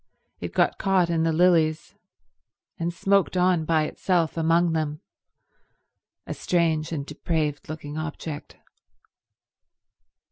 It got caught in the lilies, and smoked on by itself among them, a strange and depraved looking object.